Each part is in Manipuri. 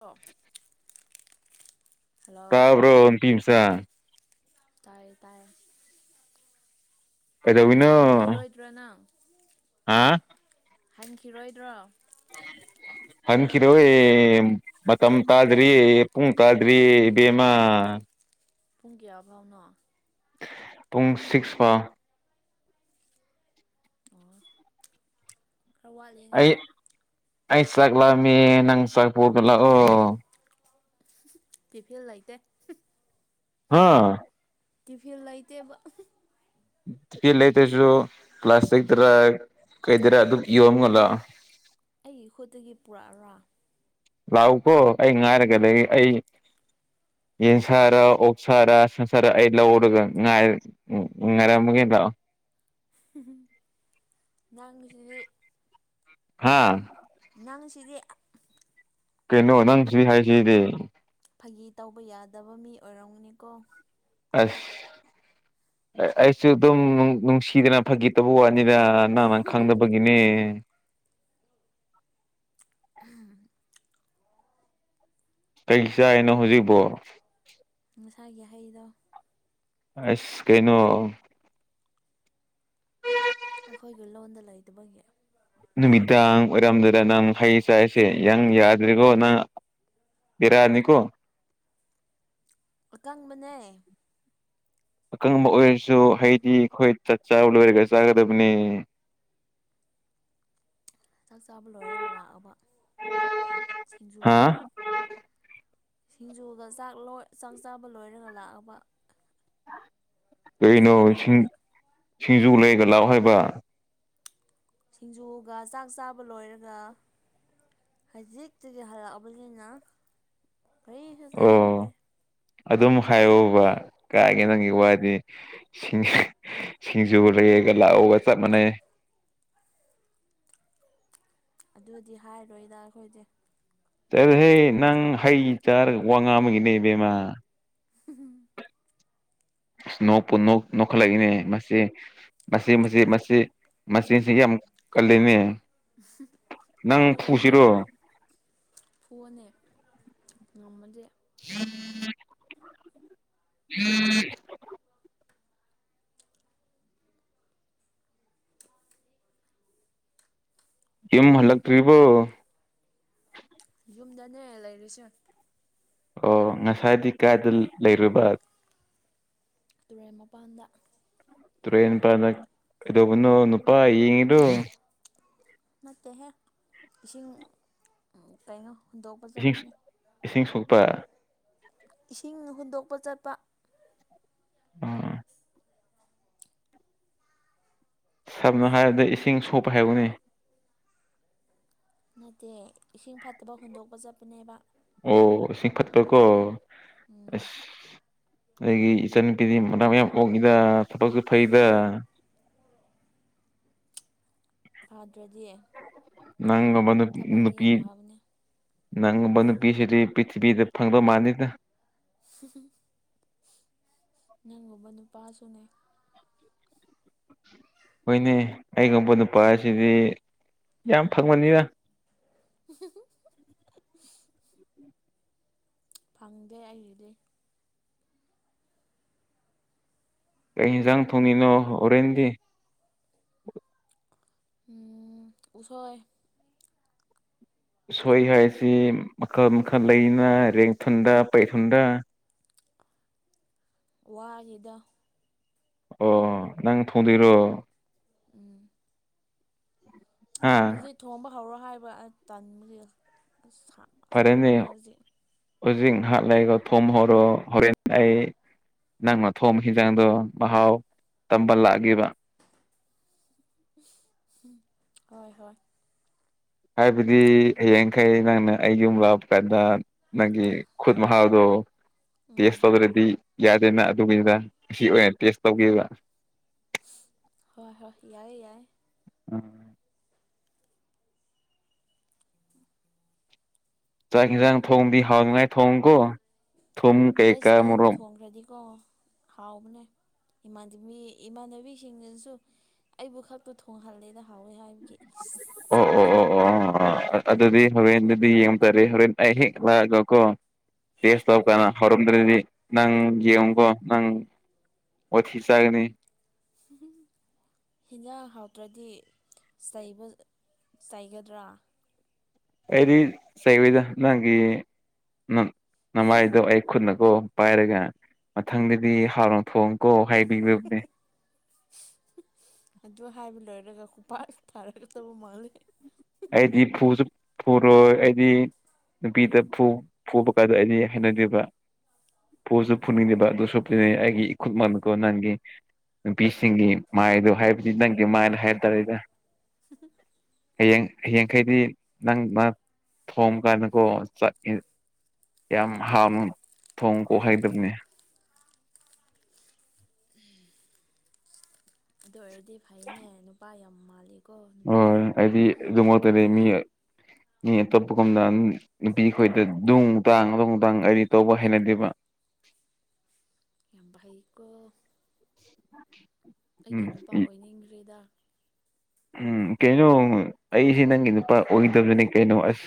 ꯑꯣ ꯍꯜꯂꯣ ꯇꯥꯕ꯭ꯔꯣ ꯅꯨꯄꯤ ꯃꯆꯥ ꯇꯥꯏꯌꯦ ꯇꯥꯏꯌꯦ ꯀꯩꯗꯧꯔꯤꯅꯣ ꯍꯟꯈꯤꯔꯣꯏꯗ꯭ꯔꯥ ꯅꯪ ꯍꯥꯥ ꯍꯟꯈꯤꯔꯣꯏꯗ꯭ꯔꯣ ꯍꯟꯈꯤꯔꯣꯏꯌꯦ ꯃꯇꯝ ꯇꯥꯗ꯭ꯔꯤ ꯄꯨꯡ ꯇꯥꯗ꯭ꯔꯤ ꯕꯦꯝꯃ ꯄꯨꯡ ꯀꯌꯥꯐꯥꯎꯅꯣ ꯄꯨꯡ ꯁꯤꯛꯁ ꯐꯥꯎ ꯑꯣ ꯈꯔ ꯋꯥꯠꯂꯤꯅꯦ ꯑꯩ ꯑꯩ ꯆꯥꯛꯂꯝꯃꯦ ꯅꯪ ꯆꯥꯛꯄꯨꯔꯒꯂꯥꯛ ꯑꯣ ꯇꯤꯐꯤꯜ ꯂꯩꯇꯦ ꯍꯥꯥ ꯇꯤꯐꯤꯜ ꯂꯩꯇꯦꯕ ꯇꯤꯐꯤꯜ ꯂꯩꯇ꯭ꯔꯖꯨ ꯄ꯭ꯂꯥꯁꯇꯤꯛꯇꯔ ꯀꯩꯗꯔꯥ ꯑꯗꯨꯝ ꯌꯣꯝꯃꯂꯛꯑꯣ ꯑꯩꯒꯤ ꯈꯨꯠꯇꯒꯤ ꯄꯨꯔꯛꯑꯔꯥ ꯂꯥꯛꯎꯀꯣ ꯑꯩ ꯉꯥꯏꯔꯒꯂꯩ ꯑꯩ ꯌꯦꯟ ꯁꯥꯔ ꯑꯣꯛ ꯁꯥꯔ ꯁꯟ ꯁꯥꯔ ꯑꯩ ꯂꯧꯔꯒ ꯉꯥꯏ ꯎꯝ ꯉꯥꯏꯔꯝꯃꯒꯦ ꯂꯥꯛꯑꯣ ꯎꯝ ꯅꯪꯒꯤꯁꯤꯗꯤ ꯍꯥꯥ ꯅꯪ ꯁꯤꯗꯤ ꯀꯩꯅꯣ ꯅꯪ ꯁꯤꯗꯤ ꯍꯥꯏꯁꯤꯗꯤ ꯐꯒꯤ ꯇꯧꯕ ꯌꯥꯗꯕ ꯃꯤ ꯑꯣꯏꯔꯝꯒꯅꯤꯀꯣ ꯑꯁ ꯑꯩꯁꯨ ꯑꯗꯨꯝ ꯅꯨꯡꯁꯤꯗꯅ ꯐꯥꯒꯤꯇꯧꯕ ꯋꯥꯠꯅꯤꯗ ꯅꯪꯅ ꯈꯪꯗꯕꯒꯤꯅꯦ ꯎꯝ ꯀꯩ ꯆꯥꯏꯅꯣ ꯍꯧꯖꯤꯛꯕꯣ ꯃꯁꯥꯏꯒꯤ ꯍꯩꯗꯣ ꯑꯁ ꯀꯩꯅꯣ ꯑꯩꯈꯣꯏꯒꯤ ꯂꯣꯟꯗ ꯂꯩꯇꯕꯒꯤ ꯅꯨꯃꯤꯗꯥꯡ ꯑꯣꯏꯔꯝꯗꯨꯗ ꯅꯪ ꯍꯩ ꯆꯥꯏꯁꯦ ꯌꯪ ꯌꯥꯗ꯭ꯔꯤꯀꯣ ꯅꯪ ꯏꯔꯅꯤꯀꯣ ꯑꯀꯪꯕꯅꯦ ꯑꯀꯪꯕ ꯑꯣꯏꯔꯁꯨ ꯍꯩꯗꯤ ꯑꯩꯈꯣꯏ ꯆꯠ ꯆꯥꯕ ꯂꯣꯏꯔꯒ ꯆꯥꯒꯗꯕꯅꯦ ꯆꯥꯛ ꯆꯥꯕ ꯂꯣꯏꯔꯒ ꯂꯥꯛꯑꯕ ꯁꯤꯡꯖꯨ ꯍꯥ ꯁꯤꯡꯖꯨꯒ ꯆꯥꯛ ꯂꯣꯏ ꯆꯥꯛ ꯆꯥꯕ ꯂꯣꯏꯔꯒ ꯂꯥꯛꯑꯕ ꯀꯔꯤꯅꯣꯁꯤꯡ ꯏꯆꯦꯈꯣꯏꯗꯒꯤ ꯁꯤꯡꯖꯨ ꯂꯩꯒ ꯂꯥꯛꯑꯣ ꯍꯥꯏꯕ ꯁꯤꯡꯖꯨꯒ ꯆꯥꯛ ꯆꯥꯕ ꯂꯣꯏꯔꯒ ꯍꯖꯤꯛꯇꯒꯤ ꯍꯂꯛꯑꯕꯅꯤꯅ ꯀꯔꯤꯁꯨ ꯆꯥꯅꯤꯡꯗꯦ ꯑꯣ ꯑꯗꯨꯝ ꯍꯥꯏꯌꯣꯕ ꯀꯥꯏꯒꯤ ꯅꯪꯒꯤ ꯋꯥꯗꯤ ꯁꯤꯡ ꯁꯤꯡꯖꯨꯒ ꯂꯩꯔꯒ ꯂꯥꯛꯑꯣꯒ ꯆꯞ ꯃꯥꯟꯅꯩ ꯑꯗꯨꯗꯤ ꯍꯥꯏꯔꯣꯏꯗ ꯑꯈꯣꯏꯗꯤ ꯆꯠꯂꯍꯦ ꯅꯪ ꯍꯩ ꯆꯥꯔꯒ ꯋꯥ ꯉꯥꯡꯕꯒꯤꯅꯦ ꯕꯦꯝꯃꯥ ꯎꯝ ꯅꯣꯛꯄꯨ ꯅꯣꯛ ꯅꯣꯛꯈꯠꯂꯛꯏꯅꯦ ꯃꯁꯤ ꯃꯁꯤ ꯃꯁꯤ ꯃꯁꯤ ꯃꯆꯤꯜꯁꯤꯒꯤ ꯌꯥꯝ ꯀꯜꯂꯤꯅꯦ ꯎꯝ ꯅꯪ ꯐꯨꯒꯗ꯭ꯔꯣ ꯐꯨꯁꯤꯔꯣ ꯐꯨꯑꯣꯅꯦ ꯉꯝꯃꯗꯤ [inaudible] ꯌꯨꯝ ꯍꯜꯂꯛꯇ꯭ꯔꯤꯕꯣ ꯌꯨꯝꯗꯅꯦ ꯂꯩꯔꯤꯁꯦ ꯑꯣ ꯉꯁꯥꯏꯗꯤ ꯀꯥꯏꯗ ꯂꯩꯔꯨꯕ ꯇꯨꯔꯦꯜ ꯃꯄꯥꯟꯗ ꯇꯨꯔꯦꯜ ꯃꯄꯥꯟꯗ ꯀꯩꯗꯧꯕꯅꯣ ꯅꯨꯄꯥ ꯌꯦꯡꯉꯤꯔꯣ ꯅꯠꯇꯦꯍꯦ ꯏꯁꯤꯡ ꯀꯩꯅꯣ ꯍꯨꯟꯗꯣꯛꯄ ꯏꯁꯤꯡ ꯆꯠꯄꯅꯦ ꯏꯁꯤꯡ ꯁꯣꯛꯄ ꯏꯁꯤꯡ ꯍꯨꯟꯗꯣꯛꯄ ꯆꯠꯄ ꯑ ꯁꯝꯅ ꯍꯥꯏꯔꯕꯗ ꯏꯁꯤꯡ ꯁꯣꯛꯄ ꯍꯥꯏꯌꯨꯅꯦ ꯅꯠꯇꯦ ꯏꯁꯤꯡ ꯐꯠꯇꯕ ꯍꯨꯟꯗꯣꯛꯄ ꯆꯠꯄꯅꯦꯕ ꯑꯣ ꯏꯁꯤꯡ ꯐꯠꯇꯀꯣ ꯎꯝ ꯑꯁ ꯑꯩꯒꯤ ꯏꯆꯟꯅꯨꯄꯤꯗꯤ ꯃꯅꯥ ꯃꯌꯥꯝ ꯑꯣꯛꯏꯗ ꯊꯕꯛꯁꯨ ꯐꯩꯗ ꯐꯗ꯭ꯔꯗꯤ ꯅꯪꯒꯨꯝꯕ ꯅꯨ ꯅꯨꯄꯤ ꯌꯥꯝ ꯐꯕꯅꯦ ꯅꯪꯒꯨꯝꯕ ꯅꯨꯄꯤꯁꯤꯗꯤ ꯄ꯭ꯔꯤꯊꯤꯕꯤꯗ ꯐꯪꯗꯧ ꯃꯥꯥꯟꯗꯦꯗ [unintelligible] ꯅꯪꯒꯨꯝꯕ ꯅꯨꯄꯥꯁꯨꯅꯦ ꯍꯣꯏꯅꯦ ꯑꯩꯒꯨꯝꯕ ꯅꯨꯄꯥꯁꯤꯗꯤ ꯌꯥꯝ ꯐꯪꯕꯅꯤꯅ [unintelligible] ꯐꯪꯗꯦ ꯑꯩꯒꯤꯗꯤ ꯀꯩ ꯌꯦꯟꯖꯥꯡ ꯊꯣꯡꯉꯤꯅꯣ ꯍꯣꯔꯦꯟꯗꯤ꯫ ꯎꯝ ꯎꯁꯣꯏ ꯎꯁꯣꯏ ꯍꯥꯏꯁꯤ ꯃꯈꯜ ꯃꯈꯜ ꯂꯩꯅ ꯔꯦꯡꯊꯟꯗ ꯄꯩꯊꯟꯗ꯫ ꯋꯥꯒꯤꯗꯣ ꯑꯣ ꯅꯪ ꯊꯣꯡꯗꯣꯏꯔꯣ ꯎꯝ ꯍꯥ ꯊꯣꯡꯕ ꯍꯧꯔꯣ ꯍꯥꯏꯕ ꯑ ꯇꯟꯕꯒꯤ ꯑꯁ ꯐꯔꯦꯅꯦ ꯍꯧꯖꯤꯛ ꯉꯍꯥꯛ ꯂꯩꯔ ꯊꯣꯡꯕ ꯍꯧꯔꯣ ꯍꯣꯔꯦꯟ ꯑꯩ꯫ ꯅꯪꯅ ꯊꯣꯡꯕ ꯍꯤꯟꯖꯥꯡꯗꯣ ꯃꯍꯥꯎ ꯇꯝꯕ ꯂꯥꯛꯀꯦꯕ꯫ ꯍꯣꯏ ꯍꯣꯏ ꯍꯥꯏꯕꯗꯤ ꯍꯌꯦꯡꯈꯩ ꯅꯪꯅ ꯑꯩ ꯌꯨꯝ ꯂꯥꯛꯄꯗ ꯅꯪꯒꯤ ꯈꯨꯠ ꯃꯍꯥꯥꯎꯗꯣ ꯎꯝ ꯇꯦꯁ ꯇꯧꯗ꯭ꯔꯗꯤ ꯌꯥꯗꯦꯅ ꯑꯗꯨꯒꯤꯅꯤꯗ ꯑꯁꯤ ꯑꯣꯏꯅ ꯇꯦꯁ ꯇꯧꯒꯦꯕ꯫ ꯍꯣꯏ ꯍꯣꯏ ꯌꯥꯏ ꯌꯥꯏ ꯆꯥꯛ ꯌꯦꯟꯁꯥꯡ ꯊꯣꯡꯗꯤ ꯍꯥꯎꯅꯤꯉꯥꯏ ꯊꯣꯡꯉꯨꯀꯣ꯫ ꯑꯁ ꯑꯩꯅ ꯊꯣꯡꯈ꯭ꯔꯗꯤꯀꯣ ꯍꯥꯎꯕꯅꯦ ꯏꯃꯥꯟꯗꯕꯤ ꯏꯃꯥꯟꯅꯕꯤꯁꯤꯡꯅꯁꯨ ꯑꯩꯕꯨ ꯈꯛꯄꯨ ꯊꯣꯡꯍꯜꯂꯤꯗ ꯍꯥꯎꯋꯦ ꯍꯥꯏꯕꯒꯤ꯫ ꯑꯣ ꯑꯣ ꯑꯣ ꯑꯣ ꯑꯣ ꯑꯗꯨꯗꯤ ꯍꯣꯔꯦꯟ ꯑꯗꯨꯗꯤ ꯌꯦꯡ ꯇꯔꯦ ꯍꯣꯔꯦꯟ ꯑꯩ ꯍꯦꯛ ꯂꯥꯛꯑꯒ ꯀꯣ꯫ ꯇꯦꯁ ꯇꯧꯔ ꯎꯝ ꯀꯥꯟꯗ ꯍꯧꯔꯝꯗ꯭ꯔꯗꯤ ꯅꯪ ꯌꯦꯡꯉꯨꯀꯣ ꯅꯪ꯫ ꯋꯥꯊꯤ ꯆꯥꯒꯅꯤ [unintelligible] ꯍꯤꯟꯖꯥꯡ ꯍꯥꯎꯇ꯭ꯔꯗꯤ ꯆꯩꯕ ꯆꯩꯥꯏꯒꯗ꯭ꯔꯥ꯫ ꯑꯩꯗꯤ ꯆꯩꯔꯣꯏꯗ ꯅꯪꯒꯤ ꯅ ꯅꯃꯥꯏꯗꯣ ꯑꯩ ꯈꯨꯠꯅꯀꯣ꯫ ꯄꯥꯏꯔꯒ ꯃꯊꯪꯗꯗꯤ ꯍꯥꯎꯅ ꯊꯣꯡꯉꯨꯀꯣ ꯍꯥꯏꯕꯤꯒꯗꯕꯅꯦ꯫ ꯑꯗꯨ ꯍꯥꯏꯕ ꯂꯣꯏꯔꯒ ꯈꯨꯄꯥꯛꯅ ꯊꯥꯔꯛꯀꯗꯕ ꯃꯥꯜꯂꯦ꯫ ꯑꯩꯗꯤ ꯐꯨꯁꯨ ꯐꯨꯔꯣꯏ ꯑꯩꯗꯤ ꯅꯨꯄꯤꯗ ꯐꯨꯕ ꯀꯥꯟꯗ ꯑꯩꯗꯤ ꯍꯥꯏꯅꯗꯦꯕ ꯄꯣꯠꯁꯨ ꯐꯨꯅꯤꯡꯉꯦꯕ ꯑꯗꯨ ꯁꯅꯤ ꯑꯩꯒꯤ ꯏꯈꯨꯠ ꯃꯥꯂꯀꯣ ꯅꯪꯒꯤ ꯅꯨꯄꯤꯁꯤꯡꯒꯤ ꯃꯥꯏꯗꯣ ꯍꯥꯏꯕꯗꯤ ꯅꯪꯒꯤ ꯃꯥꯏꯅ ꯍꯥꯏ ꯇꯔꯦꯗ ꯍꯌꯦꯡ ꯍꯌꯦꯡꯈꯩꯗꯤ ꯅꯪ ꯃꯥ ꯊꯣꯡꯕ ꯀꯥꯟꯗꯀꯣ ꯌꯥꯝ ꯍꯥꯎꯅ ꯊꯣꯡ ꯀꯣꯛꯍꯩꯗꯕꯅꯦ ꯎꯝ ꯑꯗꯨ ꯑꯣꯏꯔꯗꯤ ꯐꯩꯅꯦ ꯅꯨꯄꯥ ꯌꯥꯝ ꯃꯥꯜꯂꯤꯀꯣ ꯅꯨꯄꯥ ꯌꯥꯝ ꯍꯣꯏ ꯑꯩꯗꯤ ꯊꯣꯛꯄ ꯑꯗꯨꯃꯛꯇꯗꯤ ꯃꯤ ꯃꯥꯜꯂꯦ꯫ [unintelligible] ꯃꯤ ꯑꯇꯣꯞꯄꯒꯨꯝꯅ ꯅꯨꯄꯤꯈꯣꯏꯗ ꯅꯨꯡꯨ ꯇꯥꯡ ꯑꯗꯨꯧꯨ ꯇꯥꯡ ꯑꯩꯗꯤ ꯇꯧꯕ ꯍꯩꯅꯗꯦꯕ ꯌꯥꯝ ꯩꯀꯣ [unintelligible] ꯑꯩꯒꯤ ꯎꯝ ꯅꯨꯄꯥ ꯑꯣꯏꯅꯤꯡꯈ꯭ꯔꯦꯗ ꯎꯝ ꯀꯩꯅꯣ ꯑꯩꯁꯦ ꯅꯪꯒꯤ ꯅꯨꯄꯥ ꯑꯣꯏꯗꯕꯅꯤ ꯀꯩꯅꯣ ꯑꯁ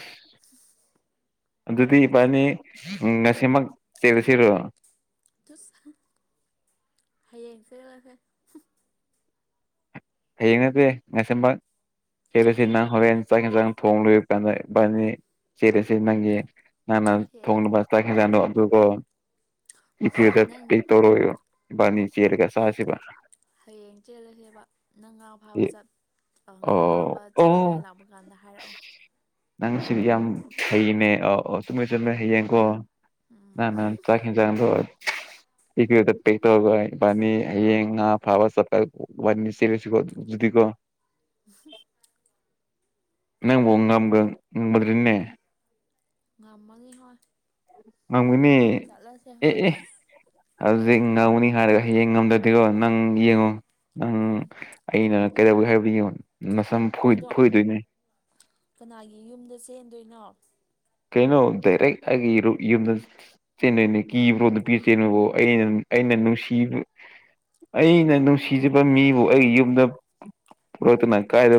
ꯑꯗꯨꯗꯤ ꯏꯕꯥꯅꯤ ꯉꯁꯤꯃꯛ ꯆꯦꯔꯨꯁꯤꯔꯣ ꯍꯌꯦꯡ ꯆꯦꯠꯂꯁꯦ ꯍꯌꯦꯡ ꯅꯠꯇꯦ ꯉꯁꯦꯝꯕ ꯆꯦꯠ ꯑꯁꯤ ꯅꯪ ꯍꯣꯔꯦꯟ ꯆꯥꯛ ꯌꯦꯟ ꯆꯥꯡ ꯊꯣꯡ ꯂꯣꯏꯕ ꯀꯥꯟꯗꯕꯥꯅꯤ ꯆꯦꯠ ꯑꯁꯤ ꯅꯪꯒꯤ ꯅ ꯍꯌꯦꯡ ꯊꯣꯡꯁ ꯇ ꯈꯖ ꯀꯣ ꯅꯪ ꯏ ꯇꯧꯔꯣ ꯕꯅꯤ ꯆꯦꯔꯒ ꯁꯥꯁꯤꯕ ꯍꯌꯦꯡ ꯆꯦꯜꯂꯁꯦꯕ ꯅꯪꯥ ꯐꯥꯕ ꯆꯠ ꯉꯥ ꯑꯣ ꯐꯥꯕ ꯆꯠꯅꯤꯡꯉꯥꯏ ꯂꯥꯛꯄ ꯀꯥꯟꯗ ꯍꯥꯏꯔꯛꯑꯣ ꯅꯪ ꯁꯤꯗꯤ ꯌꯥꯝ ꯍꯩꯅꯦ ꯑ ꯑꯣ ꯆꯨꯝꯃꯦꯣꯏ ꯆꯨꯝꯃꯦꯣꯏ ꯍꯩꯌꯦꯡꯀꯣ ꯅ ꯅ ꯆꯥꯛ ꯆꯪꯗ ꯏ ꯇ ꯄꯤ ꯇꯒꯅꯤ ꯌꯦꯌꯦꯡ ꯐꯋꯥ ꯆꯄꯅꯤ ꯁꯤ ꯣ ꯑꯗꯨꯗꯤ ꯀꯣ ꯎ ꯅꯪꯕꯣ ꯉ ꯑꯃꯒ ꯃꯗꯔꯤꯅꯦ ꯉꯃꯒꯤ ꯍꯣꯏ ꯉꯪꯒꯅꯦ ꯆꯠꯂꯁꯦ ꯑꯦ ꯍꯣꯏ ꯑꯦ ꯍꯧꯖꯤꯛ ꯉꯧꯅꯤ ꯍꯥꯏꯔꯒ ꯍꯌꯦꯡ ꯉꯝꯗ꯭ꯔꯗꯤꯀꯣ ꯅꯪ ꯌꯦꯡꯉꯣ ꯅꯪ ꯑꯩꯅ ꯀꯩꯗꯧꯒꯦ ꯍꯥꯏꯕꯗꯤ ꯌꯦꯡꯉꯣ ꯅꯝ ꯑꯗꯣ ꯐꯣꯏꯗꯣꯏꯅꯦ ꯀꯅꯥꯒꯤ ꯌꯨꯝꯗ ꯆꯦꯟꯗꯣꯏꯅꯣ ꯀꯩꯅꯣ ꯗꯥꯏꯔꯦꯛ ꯍꯥꯏ ꯌꯨꯝꯗ ꯆꯦꯟꯅꯅꯦ ꯀꯤꯕ꯭ꯔꯣꯗ ꯄꯤꯔ ꯆꯦꯟꯅꯕ ꯑꯩꯅ ꯑꯩꯅ ꯅꯨꯡꯁꯤꯕ ꯑꯩꯅ ꯅꯨꯡꯁꯤꯖꯕ ꯃꯤꯕꯨ ꯑꯩꯒꯤ ꯌꯨꯝꯗ ꯄꯨꯔꯣꯛꯇꯅ ꯀꯥꯏꯗ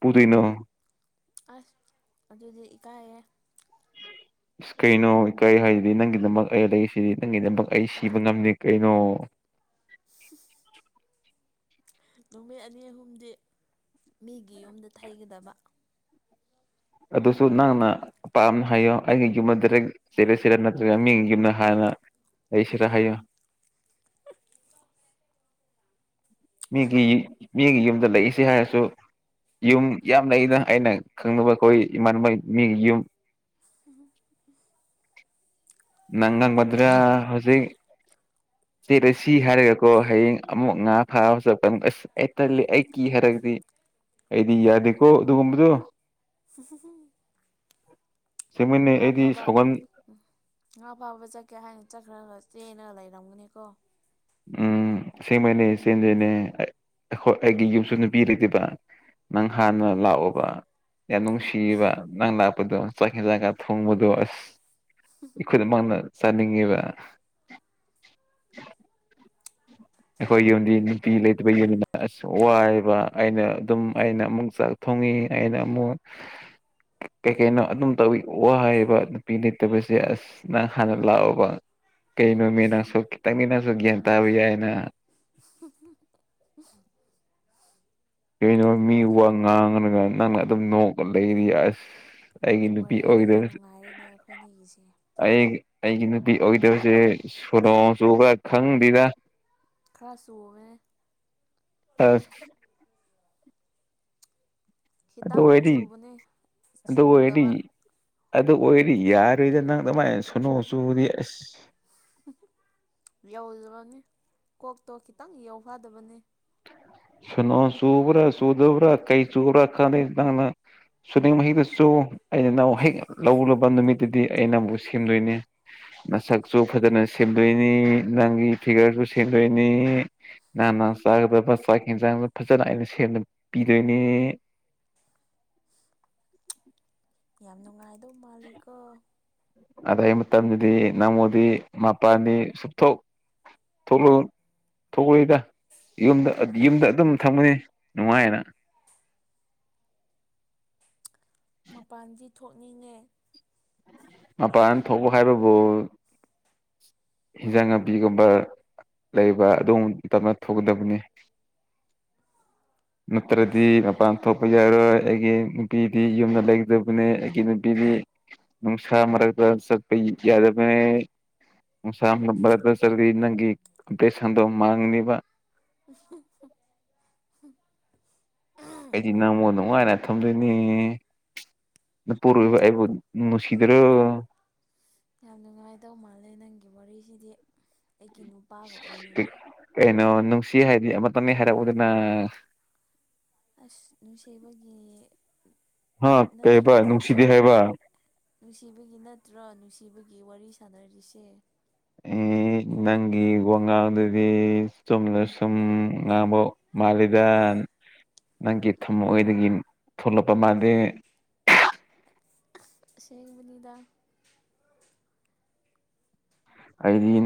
ꯄꯨꯗꯅꯣ ꯑꯁ ꯑꯗꯨꯗꯤ ꯏꯀꯥꯏꯌꯦꯦ ꯑꯁ ꯀꯩꯅꯣ ꯀꯔꯤ ꯍꯥꯏꯁꯤꯗꯤ ꯅꯪꯒꯤꯗꯃꯛ ꯑꯩ ꯂꯩꯔꯤꯁꯤꯗꯤ ꯅꯪꯒꯤꯗꯃꯛ ꯑꯩ ꯁꯤꯕ ꯉꯝꯗꯦ ꯀꯩꯅꯣ ꯅꯨꯃꯤꯠ ꯑꯅꯤ ꯑꯍꯨꯝꯗꯤ ꯃꯤꯒꯤ ꯌꯨꯝꯗ ꯊꯩꯒꯗꯕ ꯑꯗꯨꯁꯨ ꯅꯪꯅ ꯑꯄꯥꯝꯅ ꯍꯥꯏꯌꯣ ꯑꯩꯒꯤ ꯌꯨꯝꯗ ꯗꯥꯦꯛꯔ ꯁꯤꯔ ꯅꯠꯇ꯭ꯔꯒ ꯃꯤꯒꯤ ꯌꯨꯝꯗ ꯍꯥꯟꯅ ꯑꯩꯁꯔꯥ ꯍꯥꯏꯌ ꯃꯤꯒꯤ ꯃꯤꯒꯤ ꯌꯨꯝꯗ ꯂꯩꯏꯁꯤ ꯍꯥꯏꯔꯁꯨ ꯌꯨꯝ ꯌꯥꯝ ꯂꯩꯅ ꯑꯩꯅ ꯈꯪꯅꯕ ꯑꯩꯈꯣꯏ ꯏꯃꯥꯟꯅꯕ ꯃꯤꯒꯤ ꯌꯨꯝ ꯍ ꯃꯒꯥꯜ ꯃꯗ꯭ꯔꯥ ꯍꯧꯖꯤꯛ ꯆꯦꯂ ꯁꯤ ꯍꯥꯏꯔꯒꯀꯣ ꯍꯌꯦꯡ ꯑꯃꯨꯛ ꯉꯥ ꯐꯥꯔ ꯆꯠꯄ ꯑꯁ ꯑꯩ ꯇꯜꯂꯤ ꯑꯩ ꯀꯤ ꯍꯥꯏꯔꯒꯗꯤ ꯑꯩꯗꯤ ꯌꯥꯗꯦꯀꯣ ꯑꯗꯨꯒꯨꯝꯕꯗꯣ [unintelligible] ꯑꯩꯗꯤ ꯅꯥꯚꯕ ꯁꯥꯎꯒꯟ ꯎꯝ ꯉꯥ ꯐꯥꯕ ꯆꯠꯀꯦ ꯍꯥꯏꯅ ꯆꯠꯈ꯭ꯔꯒ ꯆꯦꯅ ꯂꯩꯔꯝꯒꯅꯤꯀꯣ ꯎꯝ ꯁꯦꯡꯃꯩꯅꯦ ꯆꯦꯟꯗꯩꯅꯦ ꯑꯩꯈꯣꯏ ꯑꯩꯒꯤ ꯌꯨꯝꯁꯨ ꯅꯨ ꯄꯔꯗꯦꯕ ꯅꯪ ꯍꯥꯟꯅ ꯂꯥꯛꯑꯣꯕ ꯌꯥꯝ ꯅꯨꯡꯁꯤꯕ ꯅꯪ ꯂꯥꯛꯄꯗꯣ ꯆꯥꯛꯈꯦꯜ ꯒꯥ ꯊꯣꯡꯕꯗꯣ ꯑꯁ ꯑꯩꯈꯣꯏꯗꯝꯃꯛꯅ ꯆꯥꯅꯤꯡꯉꯤꯕ ꯑꯩꯈꯣꯏ ꯌꯣꯟꯗꯤ ꯅꯨꯄꯤ ꯂꯩꯇꯕ ꯌꯣꯟꯅꯤꯅ ꯑ ꯋꯥꯕ ꯑꯩꯅ ꯑꯗꯨꯝ ꯑꯩꯅ ꯑꯃꯨꯛ ꯊꯣꯡꯉꯤ ꯑꯩꯅ ꯑꯃꯨꯛ [inaudible] ꯀꯩ ꯀꯩꯅꯣ ꯑꯗꯨꯝ ꯇꯧꯋ ꯋꯥ ꯍꯥꯏꯌꯦꯕ ꯅꯨꯄꯤ ꯂꯩꯇꯕꯁꯦ ꯑꯁ ꯅꯪ ꯍꯥꯟꯅ ꯂꯥꯛꯑꯣꯕ ꯀꯩꯅꯣ ꯃꯤ ꯅꯪꯁꯨ ꯈꯤꯇꯪꯅꯤ ꯅꯪꯁꯨ ꯒ꯭ꯌꯥꯟ ꯇꯥꯕ ꯌꯥꯏꯅ [inaudible] ꯀꯩꯅꯣ ꯃꯤ ꯋꯥꯔꯤ ꯋꯥ ꯉꯥꯡꯉꯒ ꯅꯪꯅ ꯑꯗꯨꯝ ꯅꯣꯛꯑ ꯂꯩꯔꯤ ꯑꯁ ꯑꯩꯒꯤ ꯅꯨꯄꯤ ꯋꯥꯔꯤꯗꯤ ꯑꯣꯏꯗꯕꯁꯦ ꯅꯨꯡꯉꯥꯏꯔꯦꯅꯦ ꯑꯩꯈꯣꯏꯅꯤꯒꯤꯁꯦ ꯑꯩ ꯑꯩꯒꯤ ꯅꯨꯄꯤ ꯑꯣꯏꯗꯕꯁꯦ ꯁꯂꯣꯡ ꯆꯨꯕ ꯈꯪꯗꯦꯔ ꯈꯔ ꯆꯣꯡꯉꯦ ꯑ ꯑꯗꯣ ꯈꯤꯇꯪ ꯑꯣꯏꯗꯤ ꯆꯨꯕꯅꯦ ꯑꯗꯣꯗꯤ ꯁꯨꯗꯕ ꯑꯗꯨ ꯑꯣꯏꯔꯤ ꯌꯥꯔꯣꯏꯗ ꯅꯪ ꯑꯗꯨꯃꯥꯏꯅ ꯁꯨꯅꯨ ꯆꯨꯗꯤ ꯑꯁ ꯌꯧꯔꯨꯔꯅꯤ ꯀꯣꯛꯇꯣ ꯈꯤꯇꯪ ꯌꯧꯐꯗꯕꯅꯤ ꯁꯅꯣ ꯁꯨꯕ꯭ꯔ ꯁꯨꯗꯕꯔꯥ ꯀꯩ ꯁꯨꯕ ꯔ ꯈꯥꯗꯅ ꯁꯨꯅꯤꯡ ꯃꯍꯤꯛꯇꯁꯨ ꯑꯩꯅ ꯅꯨꯛ ꯍꯦꯛ ꯂꯧꯔꯕ ꯅꯨꯃꯤꯠꯇꯨꯗꯤ ꯑꯩꯅ ꯑꯃꯨꯛ ꯁꯦꯝꯗꯣꯏꯅꯦ ꯃꯁꯛꯁꯨ ꯐꯖꯅ ꯁꯦꯝꯗꯣꯏꯅꯤ ꯅꯪꯒꯤ ꯐꯤꯒꯔꯁꯨ ꯁꯦꯝꯗꯣꯏꯅꯤ ꯅꯍꯥꯟ ꯅꯥꯟ ꯆꯥꯒꯗꯕ ꯆꯥꯛ ꯌꯦꯖꯥꯡꯗ ꯐꯖꯅ ꯑꯩꯅ ꯁꯦꯝꯅ ꯄꯤꯗꯣꯏꯅꯦ ꯌꯥꯝ ꯅꯨꯡꯉꯥꯏꯗꯧ ꯃꯥꯂꯤꯛꯀꯣ ꯑꯗꯩ ꯃꯇꯝꯗꯨꯗꯤ ꯅꯪꯉꯣꯟꯗꯤ ꯃꯄꯥꯟꯗꯤ ꯁꯨꯞꯊꯣꯛ ꯊꯣꯛꯂꯛꯑꯣ ꯊꯣꯛꯂꯛꯏꯗ ꯌꯨꯝꯗ ꯌꯨꯝꯗ ꯑꯗꯨꯝ ꯊꯝꯃꯅꯤ ꯅꯨꯡꯉꯥꯏꯅ ꯃꯄꯥꯟꯁꯤ ꯊꯣꯛꯅꯤꯡꯉꯦ ꯃꯄꯥꯟ ꯊꯣꯛꯄ ꯍꯥꯏꯕꯕꯨ ꯍꯤꯟꯖꯥꯡ ꯅꯥꯄꯤꯒꯨꯝꯕ ꯂꯩꯕ ꯑꯗꯨꯝ ꯇꯞꯅ ꯊꯣꯛꯒꯗꯕꯅꯤ ꯅꯠꯇ꯭ꯔꯗꯤ ꯃꯄꯥꯟ ꯊꯣꯛꯄ ꯌꯥꯔꯣꯏ ꯑꯩꯒꯤ ꯅꯨꯄꯤꯗꯤ ꯌꯨꯝꯗ ꯂꯩꯒꯗꯕꯅꯦ ꯑꯩꯒꯤ ꯅꯨꯄꯤꯗꯤ ꯅꯃꯁꯥꯔ ꯁꯄꯌ ꯌꯥꯗꯕꯅꯦ ꯃꯅꯨꯡꯁꯥ ꯃꯔ ꯆꯔꯗꯤ ꯅꯪꯒꯤ ꯀꯝꯄꯤꯇꯤꯁꯟꯗꯣ ꯃꯥꯡꯉꯅꯤꯕ ꯎ ꯑꯩꯗꯤ ꯅꯃꯣ ꯅꯨꯡꯉꯥꯏꯅ ꯊꯝꯗꯣꯏꯅꯦ ꯄꯨꯔꯨꯏꯕ ꯑꯩꯕꯨ ꯅꯨꯡꯁꯤꯗ꯭ꯔꯣ ꯌꯥꯝ ꯅꯨꯡꯉꯥꯏꯗꯧ ꯃꯥꯜꯂꯦ ꯅꯪꯒꯤ ꯋꯥꯔꯤꯁꯤꯗꯤ ꯑꯩꯒꯤ ꯅꯨꯄꯥꯒ ꯑꯣꯏꯅꯤꯡꯉꯦ ꯀꯩꯅꯣ ꯅꯨꯡꯁꯤ ꯍꯥꯏꯗꯤ ꯑꯃꯇꯅꯦ ꯍꯥꯏꯔꯛꯄꯗꯨꯅ ꯑꯁ ꯅꯨꯡꯁꯤꯕꯒꯤ ꯍꯥ ꯅꯠꯇ꯭ꯔꯣ ꯀꯩꯕ ꯅꯨꯡꯁꯤꯗꯦ ꯅꯨꯡꯁꯤꯕ ꯍꯥꯏꯕ ꯅꯨꯡꯁꯤꯕꯒꯤ ꯅꯠꯇ꯭ꯔꯣ ꯅꯨꯡꯁꯤꯕꯒꯤ ꯋꯥꯔꯤ ꯁꯥꯟꯅꯔꯤꯁꯦ [inaudible] ꯑꯦ ꯅꯪꯒꯤ ꯋꯥ ꯉꯥꯡꯗꯗꯤ ꯆꯨꯝꯅ ꯁꯨꯝ ꯉꯥꯡꯕ ꯃꯥꯜꯂꯤꯗ ꯅꯪꯒꯤ ꯊꯝꯃꯣꯏꯗꯒꯤ ꯊꯣꯛꯂꯛꯄ ꯃꯥꯥꯟꯗꯦ ꯁꯦꯡꯕꯅꯤꯗ ꯑꯩꯗꯤ